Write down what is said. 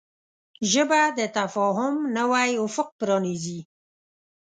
ژبه د تفاهم نوی افق پرانیزي